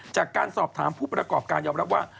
จากการสอบถามผู้ประกอบการยอมรับว่า